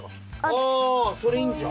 あそれいいんじゃん！